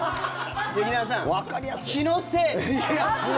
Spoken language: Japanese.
劇団さん、気のせいです。